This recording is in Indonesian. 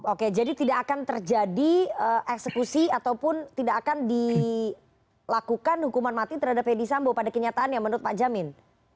oke jadi tidak akan terjadi eksekusi ataupun tidak akan dilakukan hukuman mati terhadap fedy sambo pada kenyataannya menurut pak jamin